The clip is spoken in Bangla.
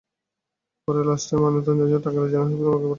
পরে লাশটি ময়নাতদন্তের জন্য টাঙ্গাইলের জেনারেল হাসপাতালে মর্গে পাঠানো হয়।